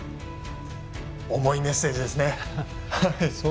重いメッセージですね。